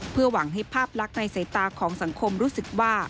เพื่อหวังให้ภาพลักษณ์ในสายตาของสังคมรู้สึกว่า